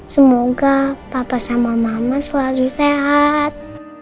semoga papa sama mama selalu sehat